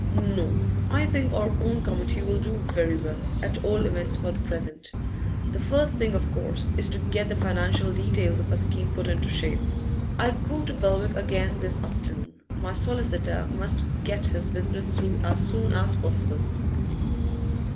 'No, I think our own committee will do very well, at all events for the present. The first thing, of course, is to get the financial details of our scheme put into shape. I go to Belwick again this afternoon; my solicitor must get his business through as soon as possible.